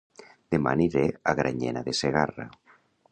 Dema aniré a Granyena de Segarra